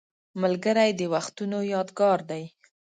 ملګری د وختونو یادګار دی